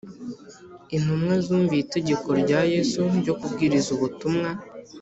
Intumwa zumviye itegeko rya Yesu ryo kubwiriza ubutumwa